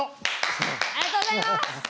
ありがとうございます！